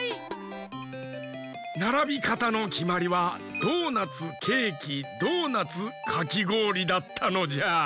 ならびかたのきまりはドーナツケーキドーナツかきごおりだったのじゃ。